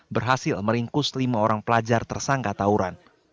berhasil meringkus lima orang pelajar tersangka tauran